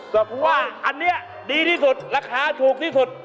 แต่ผมว่าว่าอันนี้ดีที่สุดราคาถูกที่สุด